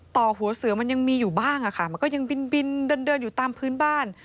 ต่อหัวเสือมันยังมีอยู่บ้างค่ะมันก็ยังบินเดินอยู่ตามพื้นบ้าน